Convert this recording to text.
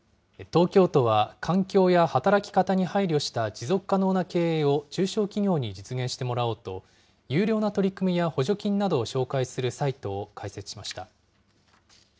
東京都は、環境や働き方に配慮した持続可能な経営を中小企業に実現してもらおうと、優良な取り組みや補助金などを紹介するサイトを開設しました。